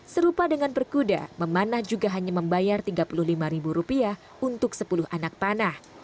serupa dengan berkuda memanah juga hanya membayar rp tiga puluh lima untuk sepuluh anak panah